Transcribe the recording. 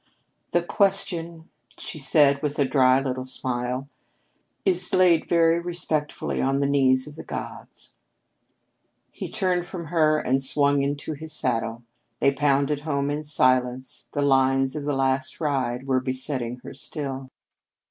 "The question," she said with a dry little smile, "is laid very respectfully on the knees of the gods." He turned from her and swung into his saddle. They pounded home in silence. The lines of "The Last Ride" were besetting her still.